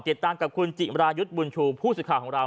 ติดตามกับคุณจิมรายุทธ์บุญชูผู้สื่อข่าวของเรา